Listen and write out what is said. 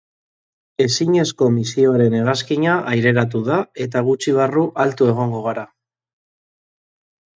Ezinezko misioaren hegazkina aireratu da eta gutxi barru altu egongo gara.